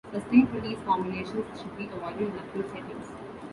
Sustained-release formulations should be avoided in acute settings.